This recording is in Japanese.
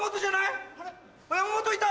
山本いた！